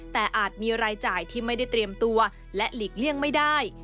แต่อาจมีรายจ่ายที่ไม่ได้เตรียมตัวและหลีกเลี่ยงไม่ได้